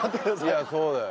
いやそうだよ。